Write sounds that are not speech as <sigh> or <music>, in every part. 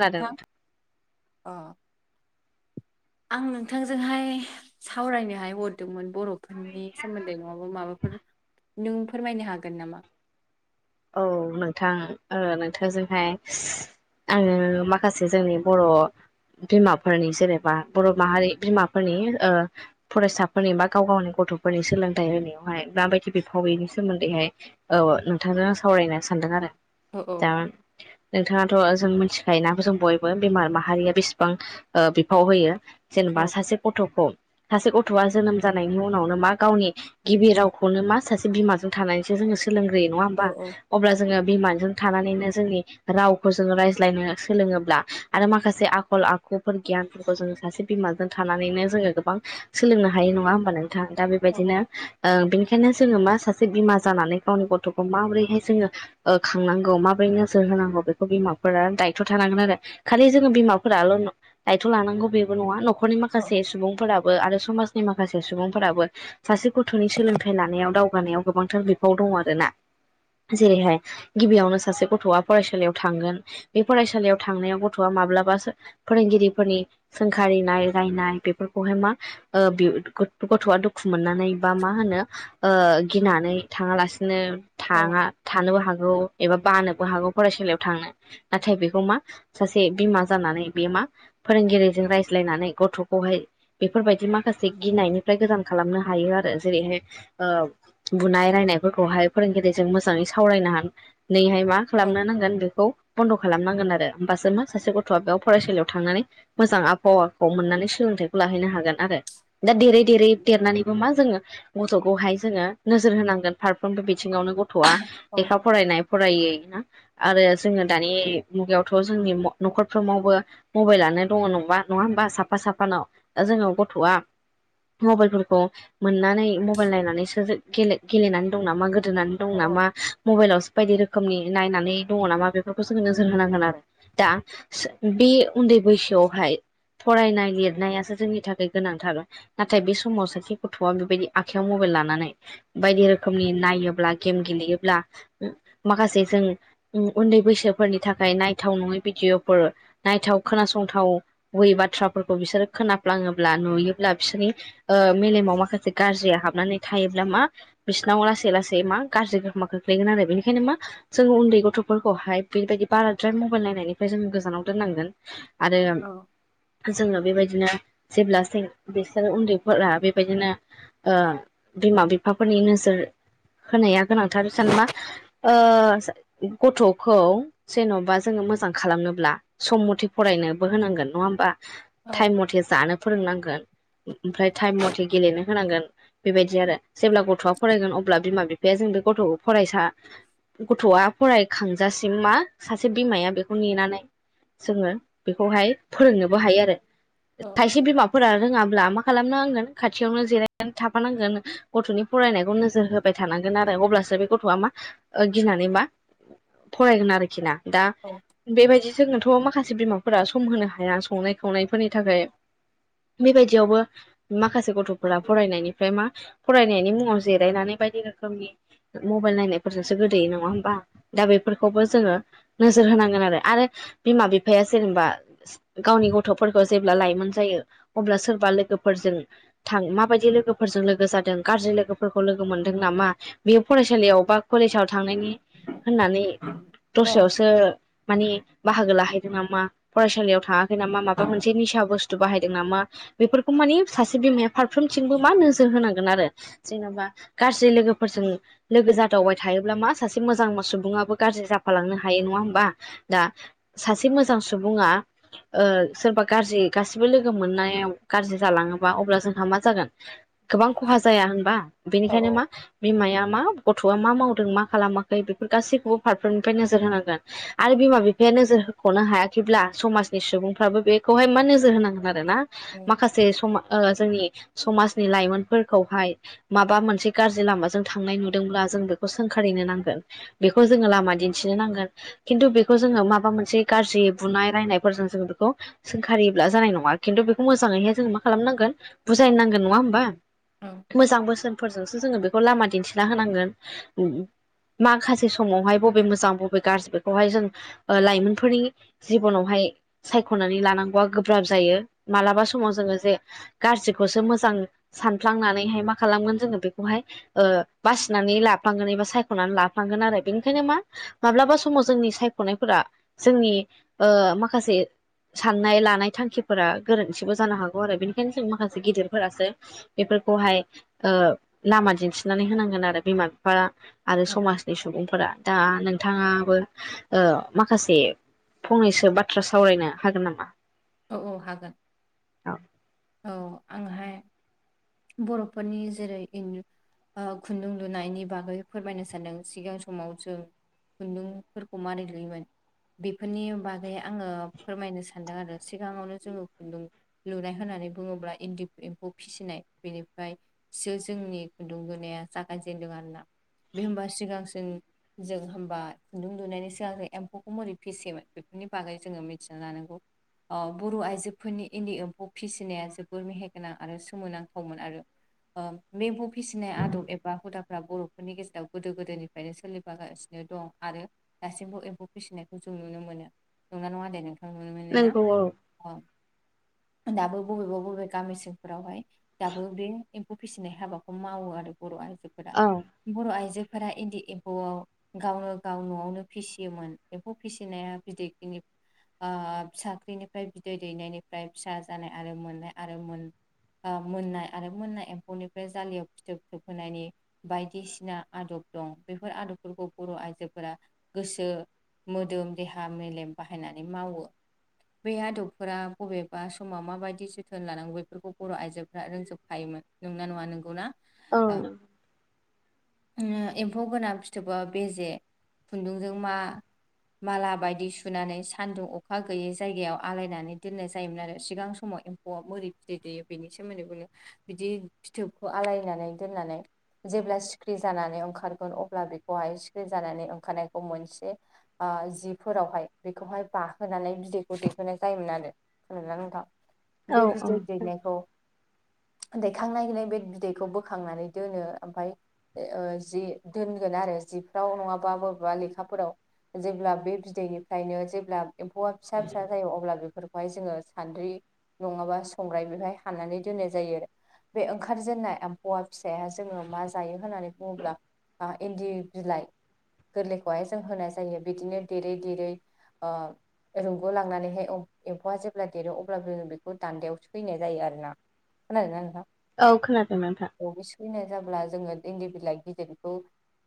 खोनादों थां नोंथां ओ आं नोंथांजोंहाय सावरायनोहाय हरदोंमोन बर फोरनि सोमोन्दै नङाबा माबाफोर नों फोरमायनो हागोन नामा। औ नोंथां ओ नोंथांजोंहाय आङो माखासे जोंनि बर। बिमाफोरनि जेनेबा बर माहारि बिमाफोरनि ओ फरायसाफोरनि बा गाव गावनि गथ गथफोरनि सोलोंथाइ होनायावहाय माबायदि बिफावैनि सोमोन्दैहाय औ नोंथांजों सावरायनो सानदों आरो औ औ दा नोंथाङा ओ जों मिथिखायो नो जों बयबो बिमा माहारिया बेसेबां ओ-बिफाव होयो औ जेनेबा सासे गथखौ सासे गथवा जोनोम जानायनि उनावनो मा गावनि गिबि रावखौनो मा सासे बिमाजों थानानैसो सोलोंग्रोयो नङा औ होमबा अब्ला जोङो बिमाजों। थानानैनो जोंनि रावखौ जों रायज्लायनो सोलोङोब्ला आरो माखासे आखल आखुफोर गियान सासे बिमाजों थानानैनो जोङो गोबां सोलोंनो हायो नङा होमबा नों दा औ बेबायदिनो ओ-बेनिखायनो जोङो मा सासे बिमा जानानै गावनि गथ खौ माबोरैहाय जोङो ओ-खांनांगौ माबोरै नोजोर होनांगौ बेखौ बिमाफोरा दायथ थानांगोन आरो। खालि जोङो बिमाफोराल दायथ लानांगौ बेबो नङा नखरनि औ माखासे सुबुंफोराबो आरो समाज माखासे सुबुंफोराबो सासे गथ'नि सोलोंथाइ लानायाव दावगानायाव गोबांथार बिफाव दङ आरो ना। <unintelligible> जेरैहाय गिबियावनो सासे गथ'वा फरायसालियाव थांगोन, बे फरायसालियाव थांनायाव गथ'वा माब्ला बा फोरोंगिरिफोरनि सोंखारिनाय रायनाय बेफोरखौहाय मा ओ <unintelligible> गथ'वा दुखु मोननानै बा मा होनो ओ गिनानै थाङालासिनो औ थाङा थानोबो हागौ एबा बानोबो हागौ फरायसालियाव थांनो नाथाय बेखौ मा सासे बिमा जानानै बे मा फोरोंगिरिजों रायज्लायनानै गथ'खौहाय बेफोरबायदि माखासे गिनायनिफ्राय गोजान खालामनो हायो आरो जेरैहाय ओ बुनाय रायनायफोरखौहाय फोरोंगिरिजों मोजाङै सावरायना हा नैहाय मा औ खालामनो नांगोन बेखौ बन्द' खालामनांगोन आरो। होनबासो मा सासे गथ'आ बेयाव फरायसालियाव थांनानै मोजां आबहावाखौ मोननानै सोलों थाइखौ लाहैनो हागोन आरो। दा देरै देरै देरनानैबो मा जोङो गथ'खौहाय जोङो नोजोर होनांगोन फारफ्रोमबो बिथिङावनो गथ'आ लेखा फरायनाय फरायै ना आरो जोङो दानि मुगायावथ' जोंनि न'खरफ्रावबो मबाइलानो दङ नङा होमबा साफा साफानाव। दा जोङो गथ'आ मबाइलफोरखौ मोननानै मबाइल नायनानैसो गेले गेलेनानै दं नामा गो दोनानै दं औ नामा, मबाइलावसो बायदि रोखोमनि नायनानै दङ नामा बेफोरखौ जोङो नोजोर होनांगोन आरो। दा बे उन्दै बैसोआवहाय फरायनाय लिरनायासो जोंनि थाखाय गोनांथार। नाथाय बे समाव सासे गथ'आ बेबायदि आखाइयाव मबाइल लानानै बायदि रोखोमनि नायो ब्ला, गेम गेलेयोब्ला, माखासे जों उम उन्दै बैसोफोरनि थाखाय नायथाव नङै भिडिअ'फोर नायथाव खोनासंथावै बाथ्राफोरखौ बिसोरो खोनफ्लाङोब्ला नुयो ब्ला बिसोरनि ओ मेलेमाव माखासे गाज्रिया हाबनानै थायोब्ला मा बिसोरनाव लासै लासै बे मा गाज्रि गोहोमा खोख्लैगोन आरो। बेनिखायनो मा जों उन्दै गथ'फोरखौहाय बेबायदि बाराद्राय मबाइल नाय होनायनिफ्राय जों गोजानाव दोननांगोन आरो जोङो बेबाय दिनो जेब्ला सेन बिसोर उन्दैफोरा बेबायदिनो ओ बिमा बिफाफोर नि नोजोर होनाया गोनांथार जेनबा ओ गथ'खौ जेन'बा जोङो मोजां खालामनोब्ला सम मथे फरायनोबो होनांगोन नङा होमबा? टाइम मथे जानो फोरोंनांगोन ओमफ्राय टाइम मथे गेलेनो होनांगोन बेबायदि आरो। जेब्ला गथ'आ फरायगोन अब्ला बिमा बिफाया जों बे गथ'खौ फरायसा गथ'आ फरायखांजासिम मा सासे बिमाया बेखौ नेनानै जोङो बेखौहाय फोरोंनोबो हायो आरो। खायसे बिमाफोरा रोङा ब्ला मा खालामनांगोन खाथियावनो जिरायनानै थाफा नांगोन गथ'नि फरायनायखौ नोजोर हो बाय थानांगोन आरो अब्लासो बे गथ'आ मा ओ गिनानै मा फरायगोन आरोखि ना। दा औ बेबायदि जोङो थ' माखासे बिमाफोरा सम होनो हाया संनाय खावनायफोरनि थाखाय। बेबायदियावबो मा खासे गथ'फोरा फरायनायनिफ्राय मा, फरायनायनि मुङाव जिरायनानै बाय दि रोखोमनि मबाइल नायनाय फोरजोंसो गोदोयो नङा होमबा? दा बेफोरखौबो जोङो नोजोर होनांगोन आरो। आरो बिमा बिफाया जेनेबा गावनि गथ'फोरखौ जेब्ला लाइमोन जायो अब्ला सोरबा लोगोफोरजों थां माबायदि लोगोफोरजों लोगो जादों गाज्रि लोगोफोरखौ लोगो मोन दों नामा, बेयो फरायसालियाव बा कलेजाव थांनायनि होननानै औ दसायावसो मानि बाहागो लाहै दों नामा, फरायसालियाव थाङाखै नामा, माबा मोनसे निसा बुस थु बाहायदों नामा बेफोरखौ मानि सासे बिमाया फारफ्रोमथिंबो मा नोजोर होनांगोन आरो जेनेबा गाज्रि लोगोफोरजों लोगो जादावबाय थायोब्ला मा सासे मोजां सुबुङाबो गाज्रि जाफालांनो हायो न नङा होमबा दा सासे मोजां सुबुङा ओ सोरबा गाज्रि गासिबो लोगो मोननायाव गाज्रि जालाङोबा अब्ला जोंहा मा जागोन गोबां खहा जाया होनबा ओंखायनो मा बिमाया मा गथ'आ मा मावदों मा खालामाखै बेफोर गासैखौबो फारफ्रोमनिफ्राय नोजोर होनांगोन आरो बिमा बिफाया नोजोर होख'नो हायाखैब्ला समाजनि सुबुंफ्राबो बेखौहाय मा नोजोर होनांगोन आरोना माखासे समा ओ जोंनि समाजनि लाइमोनफोरखौहाय माबा मोन से गाज्रि लामाजों थांनाय नुदोंब्ला जों बेखौ सोंखारिनो नांगोन बेखौ जोङो लामा दिन्थिनो नांगोन। खिन्थु बेखौ जोङो माबा मोनसे गाज्रि बुनाय रायनायफोरजों जों बेखौ सोंखारिब्ला जानाय नङा खिन्थु बेखौ मोजाङैहाय जोंङो मा खालामनांगोन बुजायनांगोन नङा होमबा मोजां बोसोन जोंसो जों बेखौ लामा दिन्थिना होनांगोन माखासे समावहाय बबे मोजां बबे गाज्रि बेखौहाय जों लाइमोनफोरनि जिबनावहाय ए सायख'नानै लानांगौआ गोब्राब जायो मालाबा समाव जोङो जे गाज्रिखौसो मोजां सानफ्लांनानैहाय मा खालामगोन जोङो बेखौहाय ओ बासिनानै लाफ्लांगोन एबा सायख'नानै लाफ्लांगोन आरो बेनिखायनो मा माब्ला मालाबा समाव जोंनि सायख'नायफोरा जोंनि ओ माखासे साननाय लानाय थांखिफोरा गोरोन्थिबो जानो हागौ आरो बेनिखायनो जों माखासे गिदिरफोरासो बेफोर खौहाय ओ लामा दिन्थिनानै होनांगोन आरो बिमा बिफा आरो समाजनि सुबुंफोरा दा नोंथाङाबो ओ माखासे फंनैसो बाथ्रा सावरायनो हागोन नामा? औ औ हागोन औ औ आंहाय बर'फोरनि जेरै इं ओ खुन्दुं लुनायनि बागै फोरमायनो सानदों सिगां समाव जों खुन्दुंफोरखौ मारै लुयोमोन बेफोरनि बागै आङो फोरमायनो सानदों आरो सिगाङावनो जोङो खुन्दुं लुनाय होननानै बुङोब्ला इन्दि एम्फौ फिसिनाय बेनिफ्राय सो जोंनि खुन्दुं लुनाया जागायजेनदों आरोना बे होमबा सिगांसिन जों होमबा खुन्दुं लुनायनि सिगां जों एम्फौखौ माबोरै फिसियोमोन बे बेनि बागै जोङो मिथिना लानांगौ अ बर' आइजोफोरनि इन्दि एम्फौ फिसिनाया जोबोर मेहेरगोनां आरो सोमोनांथावमोन आरो बे एम्फौ फिसिनाय आदब एबा हुदा फोरा बर'फोरनि गेजेराव गोदो गोदायनिफ्रायनो सोलिबोगासिनो दं आरो दासिमबो एम्फौ फिसिनायखौ जों जों नुनो मोनो नंना नङा दे नों नोंगौ औ दाबो बबेबा बबे गामि सिंफोरावहाय दाबो बे एम्फौ फिसिनाय हाबाखौ मावो आरो बर' आइजोफोरा बर' आइजो फोरा इन्दि एम्फौआव गावनो गाव न'आवनो फिसियोमोन एम्फौ फिसिनाया बिदैख्रिनि फिसाख्रिनिफ्राय बिदै दैनायनिफ्राय फिसा जानाय आरो मोननाय आरो मोन मोननाय आरो मोननाय एम्फौनिफ्राय जालियाव फिथोब थोबहोनायनि बायदिसिना आदब दं बेफोर आदबफोरखौ बर' आइजोफोरा गोसो मोदोम देहा मेलेम बाहायनानै मावो बे आदबफोरा बबेबा समाव माबायदि जोथोन लानांगौ बेफोरखौ बर' आइजोफ्रा रोंजोबखायोमोन नोंना नङा नोंगौ ना? औ नंगौ एम्फौ गोनां फिथोबा बेजे खुन्दुंजों मा माला बायदि सुनानै सान्दुं अखा गैयै जायगायाव आलायनानै दोननाय जायोमोन आरो सिगां समाव एम्फौआ मारै बिदै दैेयो बेनि सोमोन्दैबोनो बि बि फिथोबखौ आलायनानै दोननानै जेब्ला सिखिरि जानानै ओंखारगोन अब्ला बेखौहाय सिख्रि जानानै ओंखारनायखौ मोनसे ओ जिफोरावहाय बेखौहाय बाहोनानै बिदै खौ दैहोनाय जायोमोन आरो खोनादोंना नोंथां औ बे औ बिदै दैनायखौ दैखांनानै बे बिदैखौ बोखांनानै दोनो ओमफ्राय ओ जि दोनगोन आरो जिफ्राव नङाबा बबेबा लेखाफोराव जेब्ला बे बिदैनिफ्रायनो जेब्ला एम्फौआ फिसा फि फिसा जायो अब्ला बेफोरखौहाय जोङो सान्द्रि नङाबा संग्राय बेहाय हाननानै दोननाय जायो बे ओंखारजेननाय एम्फौ फिसाया जोङो मा जायो होननानै बुङोब्ला बा इन्दि बिलाइ गोरलैखौहाय जों होनाय जायो बिदिनो देरै देरै ओ रुं ग लांनानैहाय एम्फौआ जेब्ला देरो अब्लाबो जो बेखौ दान्दायाव सैनाय जायो आरोना खोनादोंना नोंथां औ खोनादों नोंथां फिनाय जाब्ला जोङो इन्दि बिलाइ गिदिरखौ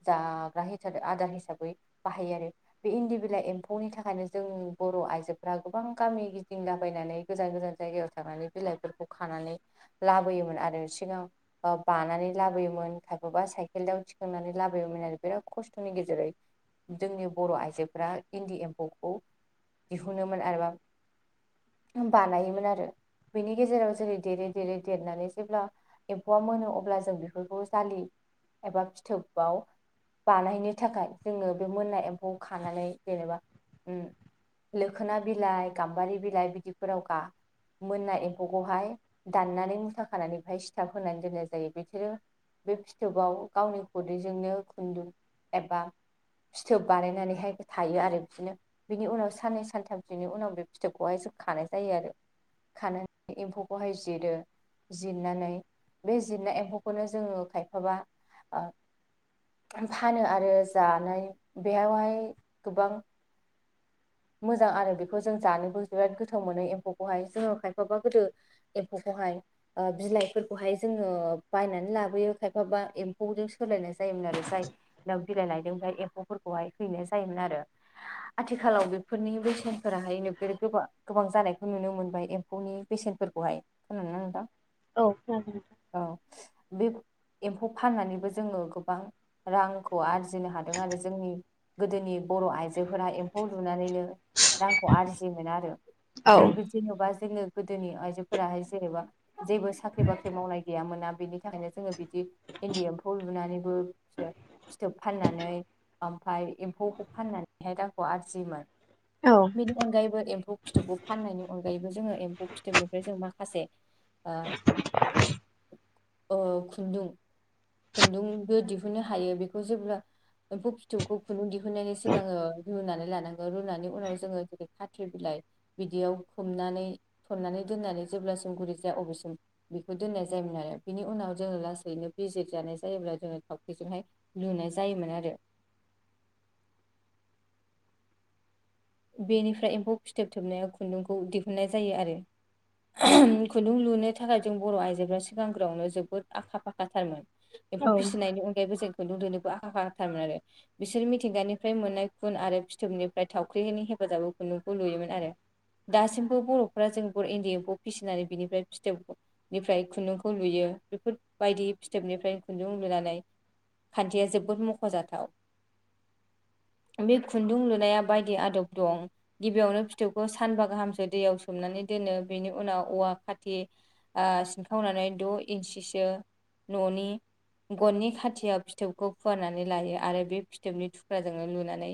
जाग्रा हिसाब आदार हिसाबै बाहायो आरो बे इन्दि बिलाइ एम्फौनि थाखायनो जों बर' आइज जोफ्रा गोबां गामि गिदिंलाबायनानै गोजान गोजान जायगायाव थांनानै बिलाइफोरखौ खानानै लाबो बोयोमोन आरो सिगां ओ बानानै लाबोयोमोन खायफा साइकेलयाव थिखांनानै लाबोयोमोन आरो बिराद खस्थ'नि गेजेरै जोंनि बर' आइजोफोरा इन्दि एम्फौखौ दिहुनोमोन आरोबा बानायोमोन आरो बेनि गेजेराव जेरै देरै देरै देरनानै जेब्ला एम्फौआ मोनो अब्ला जों बेफोरखौ जालि एबा फिथोबाव बानायनो थाखाय जोङो बे मोननाय एम्फौ खानानै जेनेबा उम लोखोना बिलाइ गाम्बारि बिलाइ बिदिफोराव गा मोनना एम्फौखौहाय दाननानै मुथा खानानै बेहाय सिथाब होनानै दोननाय जायो बिसोरो बे फिथोबाव गावनि खदैजोंनो खुन्दुं एबा फिथोब बानायनानैहाय थायो आरो बिदिनो बिनि उनाव साननै सानथामसोनि उनाव बे फिथोबखौहाय जों खानाय जायो आरो खानानै एम्फौखौहाय जिरो जिरनानै बे जिरना एम्फौखौनो जोङो खायफाबा ओ फानो आरो जानाय बेयावहाय गोबां मोजां आरो बेखौ जों जानोबो बिराद गोथाव मोनो एम्फौखौहाय जोङो खायफाबा गोदो एम्फौखौ खौहाय ओ बिलाइफोरखौहाय जोङो बायनानै लाबोयो खायफा बा एम्फौजों सोलायनाय जायो मोनआरो जायनाव बिलाइ लायदों ओमफाय एम्फौफोरखौहाय हैनाय जायोमोन आरो आथिखालाव बे फोरनि बेसेनफोराहाय नोगोद गोबा गोबां जानायखौ नुनो मोनबाय एम्फौनि बेसेनफोरखौहाय ना नोंथां औ खोनादों नोंथां औ बे एम्फौ फाननानैबो जोङो गोबां रांखौ आरजिनो हादों आरो जोंनि गोदोनि बर' आइजोफोरा एम्फौ लुनानैनो रांखौ आरजियोमोन आरो नोंथां औ जे-जेन'बा जोङो गोदोनि आइजोफोराहाय जेनेबा जेबो साख्रि बाख्रि मावनाय गैयामोन ना बिनि थाखायनो जोङो बि दि इन्दि एम्फौ लुनानैबो बिदिनो फिथोब फाननानै ओमफाय एम्फौखौ फाननानैहाय रांखौ आरजियोमोन बेनि अनगायैबो एम एम्फौ फिथोबखौ फाननायनि अनगायैबो जोङो एम्फौ फिथोबनिफ्राय जों माखासे ओ ओ खुन्दुं खुन्दुंबो दिहुननो हायो बेखौ जेब्ला एम्फौ फिथोबखौ खुन्दुं दिहुननायनि सिगाङो रुनानै लानांगो रुनानै उनाव जोङो जेरै खाथिर बिलाइ बिदियाव खननानै थननानै दोननानै जेब्लासिम गुरै जाया अबब्लासिम बेखौ दोननाय जायोमोन आरो बिनि उनाव जोङो लासैनो बिजिर जानाय जायोब्ला जोंङो थावख्रिजोंहाय लुनाय जायोमोन आरो <inaudible> बेनिफ्राय एम्फौ फिथोब थोबनाया खुन्दुंखौ दिहुननाय जायो आरो खुन्दुं लुनो थाखाय जों बर' आइजोफ्रा सिगांग्रोआवनो जोबोद आखा फाखाथारमोन एम्फौ औ फिसिनायनि अनगायैबो जों खुन्दुं दिहुननोबो आखा फाखाथारमोन आरो बिसोर मिथिंगानिफ्राय मोननाय खुन आरो फिथोबनिफ्राय थाव ख्रिनि हेफाजाबाव खुन्दुंखौ लुयोमोन आरो। दासिमबो बर'फ्रा जों बर इन्दि एम्फौ फिसिनानै बिनिफ्राय फिथोबनिफ्राय खुन्दुंखौ लुयो। बेफोरबायदि फिथोबनिफ्रायनो खुन्दुं लुनानै खान्थिया जोबोद मख'जाथाव बे खुन्दुं लुनाया बाय दि आदब दं गिबियावनो फिथोबखौ सानबा गाहामसो दैयाव सोमनानै दोनो बेनि उनाव औवा खाति ओ सिनखावनानै द' इन्सिसो न'नि गननि खाथिया फिथोबखौ फुवारनानै लायो आरो बे फिथोबनि थुख्राजोंनो लुनानै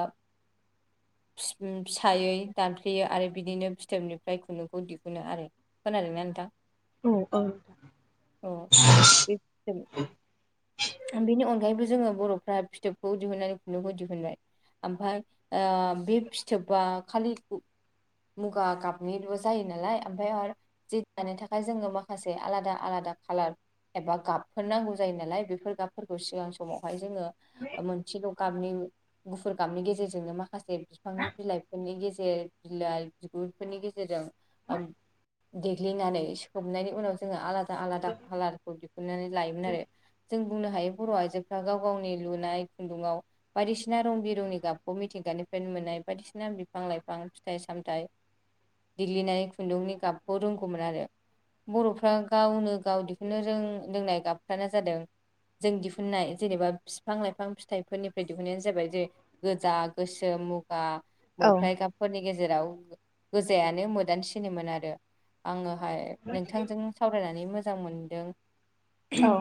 ओ <unintelligible> फिसायै दानफ्लेयो आरो बिदिनो फिथोबनिफ्राय खुन्दुंखौ दिहुनो आरो। खोनादों ना नोंथां? औ औ नोंथां। औ बे फिथोब बेनि अनगायैबो जोङो बर'फ्रा फिथोबखौ दिहुननानै खुन्दुंखौ दिहुनबाय। आमफाय ओ बे फिथोबा खालि मुगा गाबनिल' जायो नालाय आमफाय आरो जि दानो थाखाय जोङो माखासे आलादा आला दा खालार एबा गाबफोर नांगौ जायो नालाय बेफ बेफोर गाबफोरखौ सिगां समावहाय जोङो ओ मोनसेल' गाबनि गुफुर गाबनि गेजेरजोंनो माखा से बिफांनि बिलाइफोरनि गेजेर बिलाइ बिगुरफोरनि गेजेरजों ओम देग्लिनानै सोमनायनि उनाव जोङो आलादा आलादा खालारखौ दिहुननानै लायोमोन आरो। जों बुंनो हायो बर' आइजोफ्रा गाव गावनि लुनाय खुन्दुङाव बायदिसिना रं बिरंनि गाबखौ मिथिं गानिफ्रायनो मोननाय बायदिसिना बिफां लाइफां फिथाइ सामथाइ देग्लिनानै खुन्दुंनि गाबखौ रोंगौमोन आरो। बर'फ्रा गावनो गाव दिहुननो रों-रोंनाय गाबफ्रानो जादों जों दिहुननाय जेनेबा फिफां लाइफां फिथाइफोरनिफ्राय दिहुननायानो जाबाय जे गोजा, गोस सोम, मुगा, औ मैफ्राय गाबफोरनि गेजेराव गोजायानो मोदानसिनोमोन आरो। आङोहाय नोंथांजों सावरायनानै मोजां मोनदों। औ।